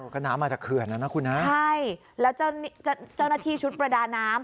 ก็น้ำมาจากเขื่อนแล้วนะคุณฮะใช่แล้วเจ้าหน้าที่ชุดประดาน้ำ